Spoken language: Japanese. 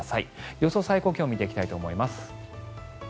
予想最高気温を見ていきたいと思います。